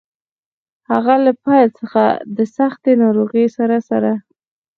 هغه له پیل څخه د سختې ناروغۍ سره سره.